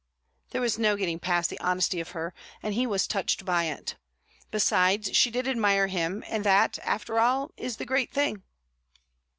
There was no getting past the honesty of her, and he was touched by it. Besides, she did admire him, and that, after all, is the great thing.